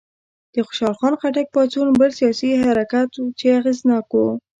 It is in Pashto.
د خوشحال خان خټک پاڅون بل سیاسي حرکت و چې اغېزناک و.